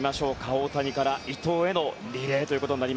大谷から伊藤へのリレー。